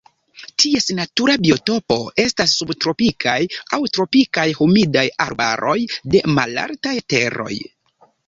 Ties natura biotopo estas subtropikaj aŭ tropikaj humidaj arbaroj de malaltaj teroj.